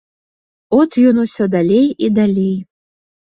От ён усё далей і далей.